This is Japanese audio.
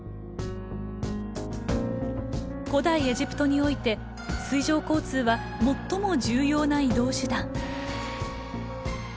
古代エジプトにおいて水上交通は最も重要な移動手段。